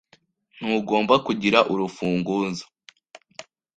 Ntugomba kugira urufunguzo